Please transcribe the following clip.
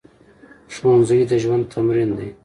ښوونځی د ژوند تمرین دی